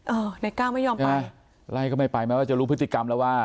เออในก้าวไม่ยอมไปไล่ก็ไม่ไปแม้ว่าจะรู้พฤติกรรมแล้วว่า